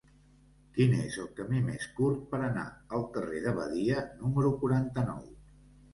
Quin és el camí més curt per anar al carrer de Badia número quaranta-nou?